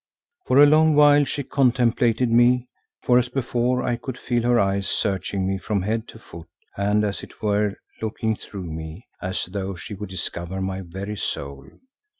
For a long while she contemplated me, for as before I could feel her eyes searching me from head to foot and as it were looking through me as though she would discover my very soul.